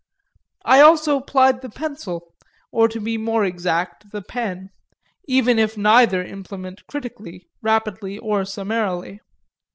I also plied the pencil, or to be more exact the pen even if neither implement critically, rapidly or summarily.